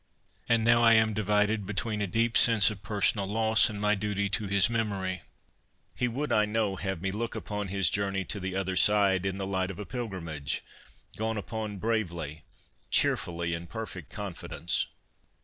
And now I am divided between a deep sense of personal loss and my duty to his memory. He would, I know, have had me look upon his journey to the ' Other Side ' in the light of a pilgrimage, gone upon bravely, cheerfully, in perfect confidence.